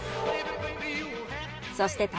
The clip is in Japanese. そして卵。